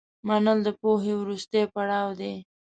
منل د پوهې وروستی پړاو دی.